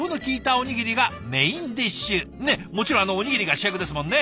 もちろんおにぎりが主役ですもんね。